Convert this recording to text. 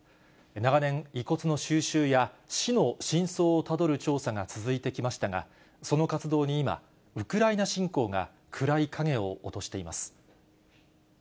長年、遺骨の収集や死の真相をたどる調査が続いてきましたが、その活動に今、ウクライナ侵攻が暗い影を落としています。